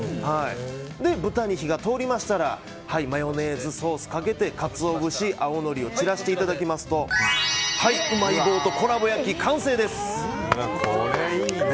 豚に火が通りましたらマヨネーズ、ソースかけてカツオ節、青のりを散らしていただきますとうまい棒とコラボ焼き完成です。